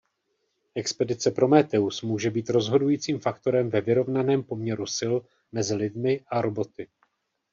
Expedice Prométheus může být rozhodujícím faktorem ve vyrovnaném poměru sil mezi lidmi a roboty.